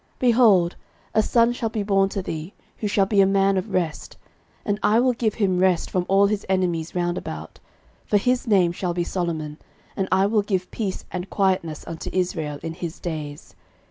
13:022:009 Behold, a son shall be born to thee, who shall be a man of rest; and I will give him rest from all his enemies round about: for his name shall be Solomon, and I will give peace and quietness unto Israel in his days.